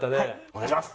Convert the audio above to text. お願いします！